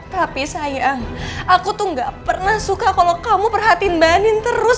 tapi sayang aku tuh gak pernah suka kalau kamu perhatiin banin terus